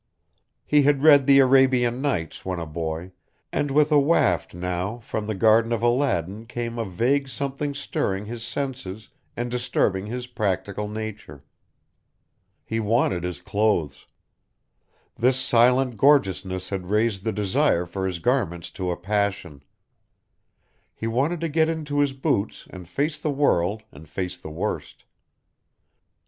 He had read the Arabian Nights when a boy, and like a waft now from the garden of Aladdin came a vague something stirring his senses and disturbing his practical nature. He wanted his clothes. This silent gorgeousness had raised the desire for his garments to a passion. He wanted to get into his boots and face the world and face the worst.